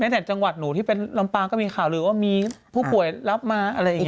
จากจังหวัดหนูที่เป็นลำปางก็มีข่าวหรือว่ามีผู้ป่วยรับมาอะไรอย่างนี้